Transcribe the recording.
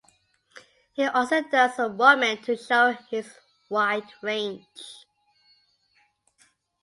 He also does some women to show his wide range.